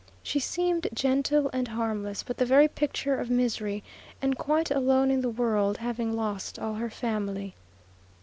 She seemed gentle and harmless, but the very picture of misery, and quite alone in the world, having lost all her family.